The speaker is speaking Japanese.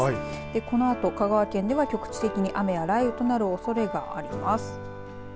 このあと、香川県では局地的に雨や雷雨となるおそれがあります。